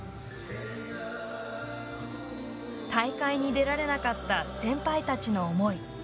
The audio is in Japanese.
大会に出られなかった先輩たちの思い。